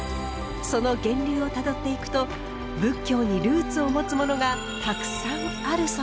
その源流をたどっていくと仏教にルーツを持つものがたくさんあるそうです。